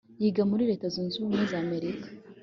yiga muri leta zunze ubumwe za amerika